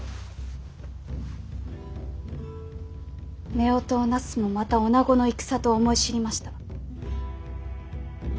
夫婦をなすもまたおなごの戦と思い知りました。